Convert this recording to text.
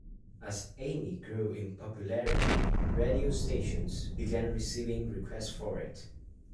As "Amie" grew in popularity, radio stations began receiving requests for it.